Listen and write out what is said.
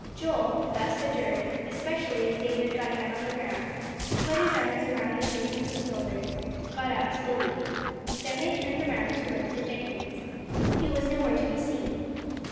Joel, thus adjured, especially as David got down on the ground, to put his arms around the shaking shoulders, got up slowly. Then they turned around to look for Jenkins. He was nowhere to be seen.